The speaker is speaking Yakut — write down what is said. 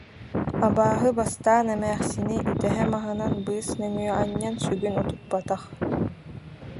Абааһы бастаан эмээхсини үтэһэ маһынан быыс нөҥүө анньан сүгүн утуппатах